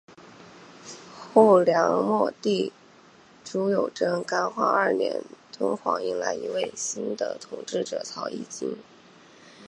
后梁末帝朱友贞干化二年敦煌迎来一位新的统治者曹议金。